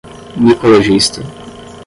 micologista